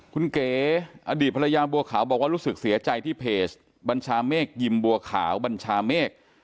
คุณเก๋อดีตภรรยาบัวขาวบอกว่ารู้สึกเสียใจที่เพจบัญชาเมฆยิมบัวขาวบัญชาเมฆ